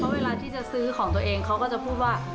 เวลาที่จะซื้อของตัวเองเขาก็จะพูดว่า